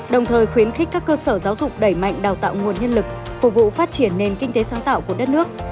đồng thời khuyến khích các cơ sở giáo dục đẩy mạnh đào tạo nguồn nhân lực phục vụ phát triển nền kinh tế sáng tạo của đất nước